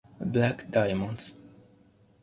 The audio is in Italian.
Black Diamonds